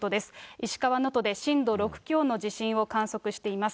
石川能登で震度６強の地震を観測しています。